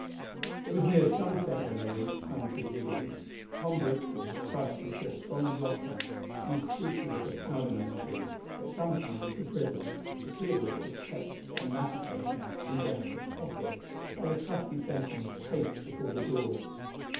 It was near sunset when they reached Pine Tree Diggings. Tom Brixton was thrust into a strong blockhouse, used chiefly as a powder magazine, but sometimes as a prison, the key of which was kept on that occasion in Gashford's pocket, while a trusty sentinel paced before the door.